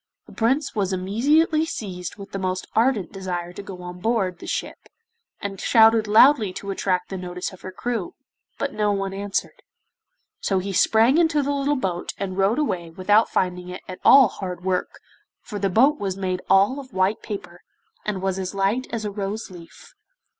The Prince was immediately seized with the most ardent desire to go on board the ship, and shouted loudly to attract the notice of her crew, but no one answered. So he sprang into the little boat and rowed away without finding it at all hard work, for the boat was made all of white paper and was as light as a rose leaf.